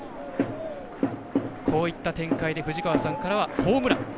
こういった展開で藤川さんからはホームラン。